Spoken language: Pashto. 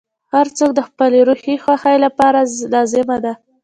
• هر څوک د خپل روحي خوښۍ لپاره لازمه ده.